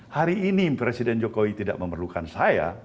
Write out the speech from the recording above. hari ini presiden jokowi tidak memerlukan saya